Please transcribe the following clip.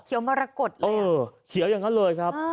เขียวมรกดเลยอะเออเขียวอย่างนั้นเลยครับ